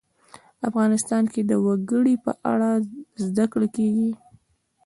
افغانستان کې د وګړي په اړه زده کړه کېږي.